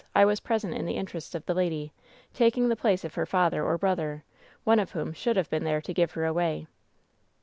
I was present in the interests of the lady, taking the place of her father or brother, one of whom should have been there to give her away.'